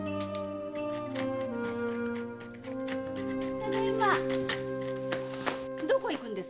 ただいまどこへ行くんです？